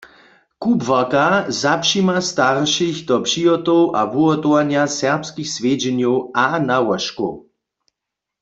Kubłarka zapřijima staršich do přihotow a wuhotowanja serbskich swjedźenjow a nałožkow.